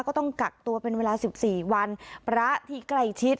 ก็ต้องกักตัวเป็นเวลาสิบสี่วันพระที่ใกล้ชิด